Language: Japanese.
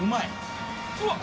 うわっ！